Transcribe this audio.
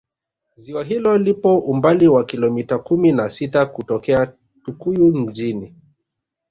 ziwa hilo lipo umbali wa Kilomita kumi na sita kutokea tukuyu mjini